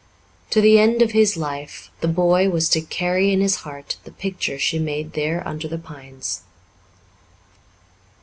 To the end of his life the boy was to carry in his heart the picture she made there under the pines.